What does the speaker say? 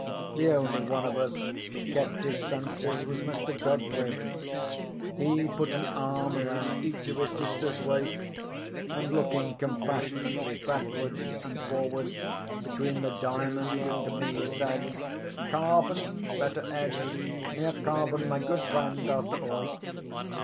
The only one of us who kept his senses was Mr. Godfrey. He put an arm round each of his sister's waists, and, looking compassionately backwards and forwards between the Diamond and me, said, "Carbon Betteredge! mere carbon, my good friend, after all!"